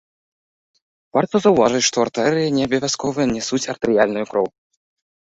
Варта заўважыць, што артэрыі не абавязкова нясуць артэрыяльную кроў.